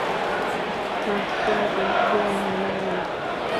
پاش چوار ڕۆژ بۆیان هێنایەوە